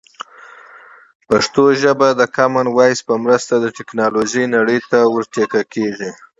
پښتو ژبه د کامن وایس په مرسته د ټکنالوژۍ نړۍ ته ور ټيکه کېږي.